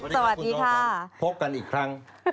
สวัสดีค่ะพกกันอีกครั้ง